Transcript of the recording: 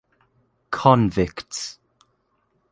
Convicts.